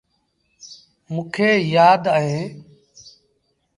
موݩ کي يآدا اهيݩ۔